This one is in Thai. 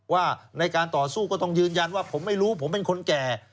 ว่าในการต่อสู้ก็ต้องยืนยันว่าผมไม่รู้ผมเป็นคนแก่